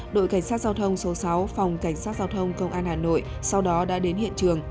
đội cảnh sát giao thông số sáu phòng cảnh sát giao thông công an hà nội sau đó đã đến hiện trường